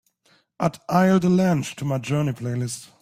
Add ilse delange to my journey playlist